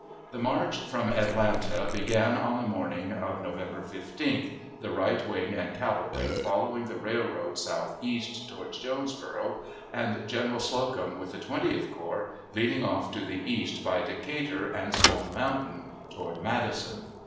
The march from Atlanta began on the morning of November 15th, the right wing and cavalry following the railroad southeast toward Jonesboro', and General Slocum with the Twentieth Corps leading off to the east by Decatur and Stone Mountain, toward Madison.